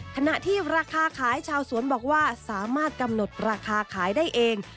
ขณะที่ราคาขายชาวสวนบอกว่าสามารถกำหนดราคาขายได้เอง